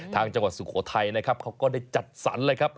ทางจังหวัดสุโขทัยเขาก็ได้จัดสรรเลยครับ